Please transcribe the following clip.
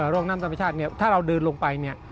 ร่องน้ำธรรมชาติถ้าเราเดินลงไป